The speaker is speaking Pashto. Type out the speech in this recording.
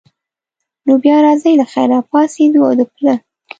نو بیا راځئ له خیره، پاڅېدو او د پله.